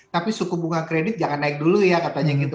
tapi suku bunga kredit jangan naik dulu ya katanya gitu